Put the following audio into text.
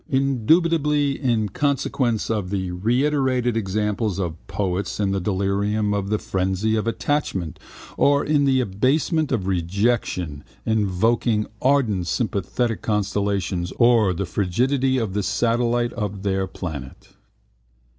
Indubitably in consequence of the reiterated examples of poets in the delirium of the frenzy of attachment or in the abasement of rejection invoking ardent sympathetic constellations or the frigidity of the satellite of their planet.